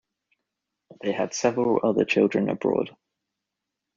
They had several other children abroad.